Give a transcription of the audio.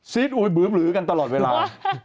ซีดอุ๊ยบื้มหลือกันตลอดเวลา